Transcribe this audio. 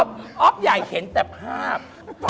อ๊อฟใหญ่เห็นแต่ภาพ